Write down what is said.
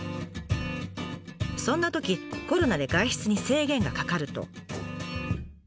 そんなときコロナで外出に制限がかかると。